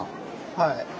はい。